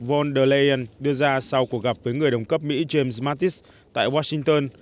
von der leyen đưa ra sau cuộc gặp với người đồng cấp mỹ james mattis tại washington